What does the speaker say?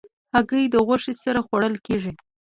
هګۍ د غوښې سره خوړل کېږي.